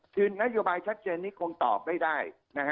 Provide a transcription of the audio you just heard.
คือนโยบายชัดเจนนี้คงตอบไม่ได้